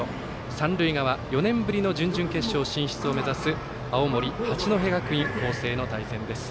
三塁側、４年ぶりの準々決勝進出を目指す青森、八戸学院光星の対戦です。